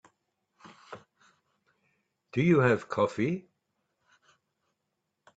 Do you have coffee?